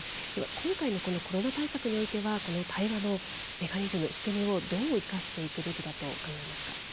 今回のこのコロナ対策においては対話のメカニズム仕組みをどう生かしていくべきだと考えますか？